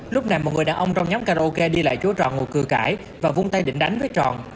lúc này một người đàn ông trong nhóm karaoke đi lại chỗ tròn ngồi cười cãi và vung tay định đánh với tròn